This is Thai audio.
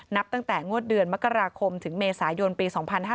นับตั้งแต่งวดเดือนมกราคมถึงเมษายนปี๒๕๕๙